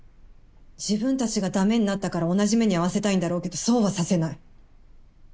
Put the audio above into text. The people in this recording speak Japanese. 自分たちがダメになったから同じ目に遭わせたいんだろうけどそうはさせない。